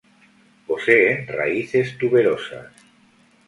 Poseen raíces tuberosas.